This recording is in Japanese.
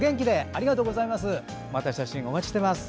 ありがとうございます。